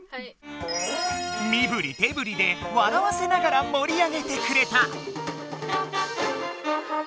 みぶりてぶりで笑わせながら盛り上げてくれた。